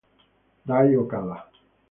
Dai Okada